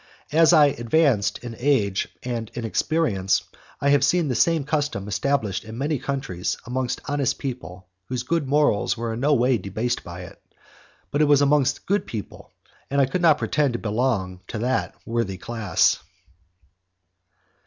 As I advanced in age and in experience, I have seen the same custom established in many countries amongst honest people whose good morals were in no way debased by it, but it was amongst good people, and I do not pretend to belong to that worthy class.